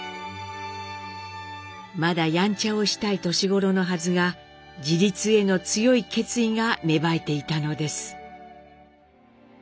まだやんちゃをしたい年頃のはずが自立への強い決意が芽生えていたのです。